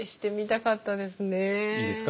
いいですか？